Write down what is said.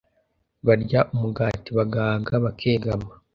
barya umugati bagahaga, bakegama